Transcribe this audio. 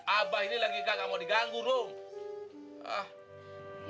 abah ini lagi nggak mau diganggu rom